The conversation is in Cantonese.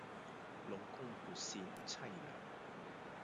老公撥扇妻涼